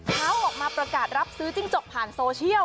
เขาออกมาประกาศรับซื้อจิ้งจกผ่านโซเชียล